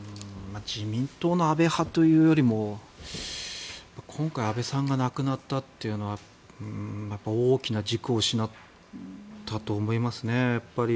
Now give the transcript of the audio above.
自民党の安倍派というよりも今回、安倍さんが亡くなったというのはやっぱり大きな軸を失ったと思いますね。